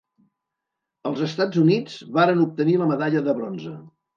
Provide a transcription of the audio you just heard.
Els Estats Units varen obtenir la medalla de bronze.